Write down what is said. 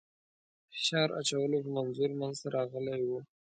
فشار اچولو په منظور منځته راغلی وو.